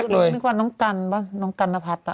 นึกว่าน้องกัลน้องกัลนรรพัด